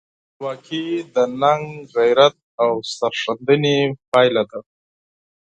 خپلواکي د ننګ، غیرت او سرښندنې پایله ده.